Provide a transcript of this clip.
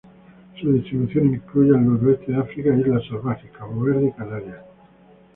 Su distribución incluye el Noroeste de África, Islas Salvajes, Cabo Verde y Canarias.